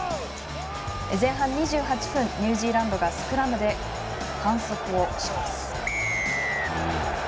前半２８分ニュージーランドがスクラムで反則をします。